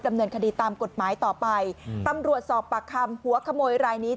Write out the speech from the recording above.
ดำเนินคดีตามกฎหมายต่อไปตำรวจสอบปากคำหัวขโมยรายนี้